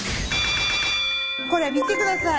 これ見てください。